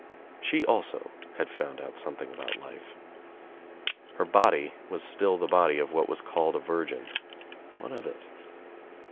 She also had found out something about life. Her body was still the body of what was called a virgin. What of it?